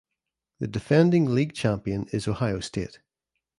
The defending league champion is Ohio State.